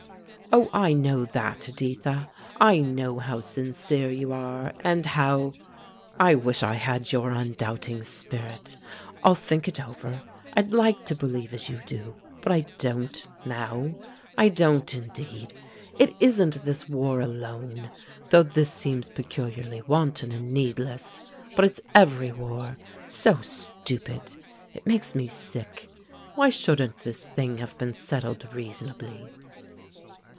"Oh, I know that, Editha. I know how sincere you are, and how I wish I had your undoubting spirit! I'll think it over; I'd like to believe as you do. But I don't, now; I don't, indeed. It isn't this war alone; though this seems peculiarly wanton and needless; but it's every war so stupid; it makes me sick. Why shouldn't this thing have been settled reasonably?"